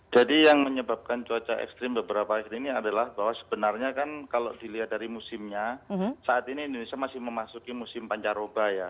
jadi yang menyebabkan cuaca ekstrim beberapa hari ini adalah bahwa sebenarnya kan kalau dilihat dari musimnya saat ini indonesia masih memasuki musim pancar oba ya